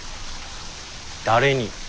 誰に？